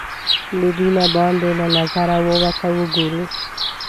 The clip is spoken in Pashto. له دینه باندې له نظره ورته وګورو